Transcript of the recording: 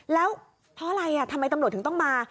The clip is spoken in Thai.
แล้วเพราะอะไรทำไมตำรวจถึงต้องมา